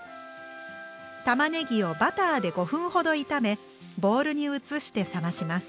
たまねぎをバターで５分ほど炒めボウルに移して冷まします。